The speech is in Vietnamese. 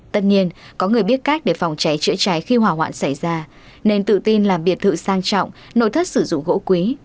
tất nhiên có người biết cách để phòng cháy chữa cháy khi hỏa hoạn xảy ra nên tự tin làm biệt thự sang trọng nội thất sử dụng gỗ quý